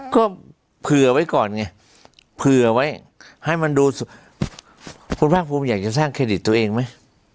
ก็เผื่อไว้ก่อนไงเผื่อไว้ให้มันดูคุณภาคภูมิอยากจะสร้างเครดิตตัวเองไหม